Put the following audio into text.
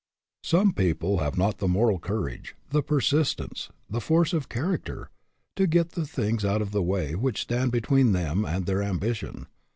Some people have not the moral courage, the persistence, the force of character, to get the things out of the way which stand be tween them and their ambition.